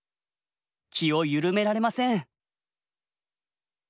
気を緩められません。